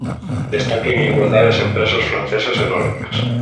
Destacan en igualdade as empresas francesas e nórdicas.